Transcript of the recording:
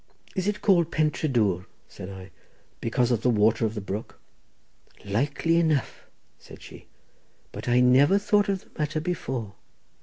"Is it called Pentré Dwr," said I, "because of the water of the brook?" "Likely enough," said she, "but I never thought of the matter before."